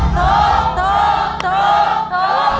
ตกตกตกตกตกตก